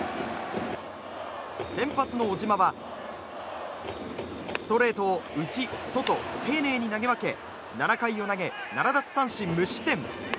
先発の小島はストレートを内、外丁寧に投げ分け７回を投げ、７奪三振無失点。